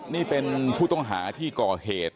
นี่เป็นผู้ต้องหาที่ก่อเหตุ